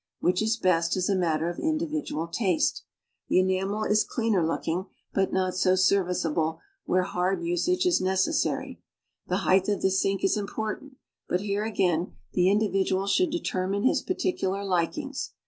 Which is best is a matter of intlividual taste. The enamel is cleaner looking, but not so servicealjle where hard nsage is necessary. The height of the sink is important, but here, again, the individual should determine his particular likings.